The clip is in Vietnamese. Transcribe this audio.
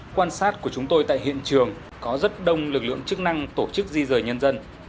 quan sát của chúng tôi tại hiện trường có rất đông lực lượng chức năng tổ chức di rời nhân dân